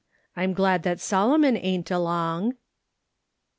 "FM GLAD THAT SOLO MO .V AIN'T ALONG."